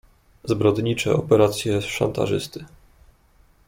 "Zbrodnicze operacje szantażysty."